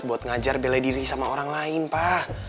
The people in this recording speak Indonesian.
buat ngajar bela diri sama orang lain pak